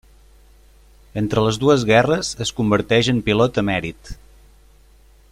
Entre les dues guerres, es converteix en pilot emèrit.